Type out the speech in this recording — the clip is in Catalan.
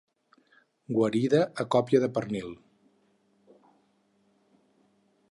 Guarida a còpia de pernil.